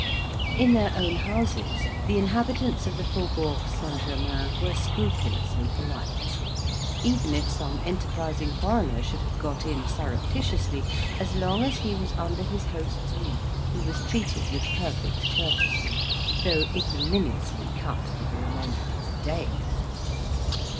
In their own houses, the inhabitants of the Faubourg St. Germain were scrupulously polite: even if some enterprising foreigner should have got in surreptitiously, as long as he was under his host's roof he was treated with perfect courtesy; though ignominiously "cut" for the remainder of his days.